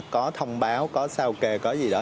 có thông báo có sao kê có gì đó